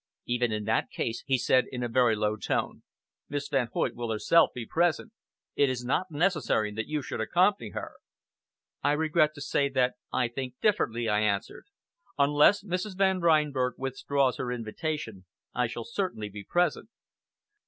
"Even in that case," he said in a very low tone, "Miss Van Hoyt will herself be present. It is not necessary that you should accompany her." "I regret to say that I think differently," I answered. "Unless Mrs. Van Reinberg withdraws her invitation, I shall certainly be present."